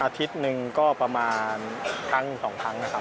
อาทิตย์หนึ่งก็ประมาณครั้งสองครั้งนะครับ